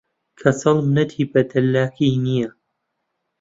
کەچەڵ منەتی بە دەلاکی نییە